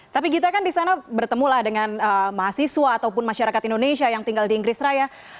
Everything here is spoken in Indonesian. tapi gita kan di sana bertemulah dengan mahasiswa ataupun masyarakat indonesia yang tinggal di inggris raya